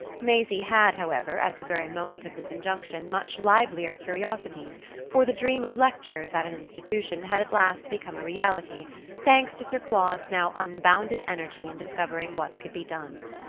Maisie had, however, at the very moment of this injunction much livelier curiosities, for the dream of lectures at an institution had at last become a reality, thanks to Sir Claude's now unbounded energy in discovering what could be done.